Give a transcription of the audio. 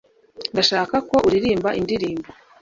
ndashaka ko uririmba indirimbo